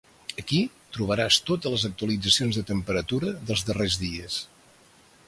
Aquí trobaràs totes les actualitzacions de temperatura dels darrers dies.